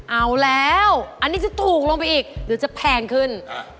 เอาแล้วอันนี้จะถูกลงไปอีกเดี๋ยวจะแพงขึ้น